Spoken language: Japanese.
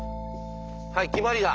はい決まりだ。